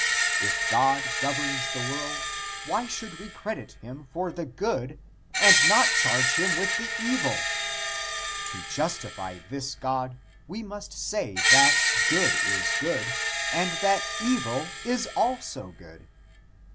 If God governs the world, why should we credit him for the good and not charge him with the evil? To justify this God we must say that good is good and that evil is also good.